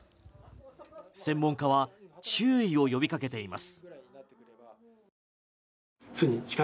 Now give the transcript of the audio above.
専門家は注意を呼びかけています。